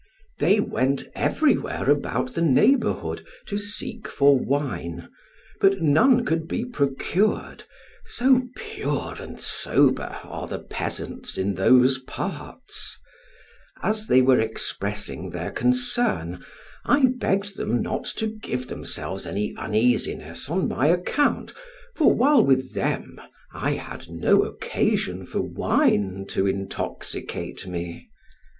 they went everywhere about the neighborhood to seek for wine, but none could be procured, so pure and sober are the peasants in those parts. As they were expressing their concern, I begged them not to give themselves any uneasiness on my account, for while with them I had no occasion for wine to intoxicate me.